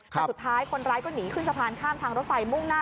แต่สุดท้ายคนร้ายก็หนีขึ้นสะพานข้ามทางรถไฟมุ่งหน้า